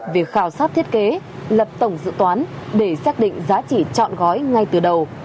việc khảo sát thiết kế lập tổng dự toán để xác định giá trị chọn gói ngay từ đầu